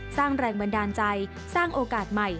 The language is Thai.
สร้างแรงบันดาลใจสร้างโอกาสใหม่